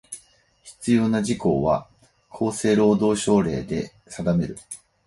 必要な事項は、厚生労働省令で定める。